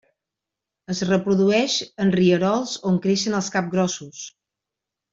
Es reprodueix en rierols on creixen els capgrossos.